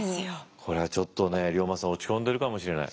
これはちょっとね龍馬さん落ち込んでるかもしれない。